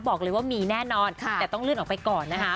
บอกเลยว่ามีแน่นอนแต่ต้องเลื่อนออกไปก่อนนะคะ